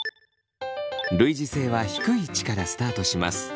類似性は低い位置からスタートします。